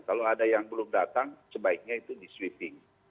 kalau ada yang belum datang sebaiknya itu di sweeping